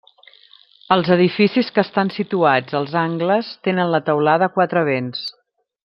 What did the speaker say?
Els edificis que estan situats als angles tenen la teulada a quatre vents.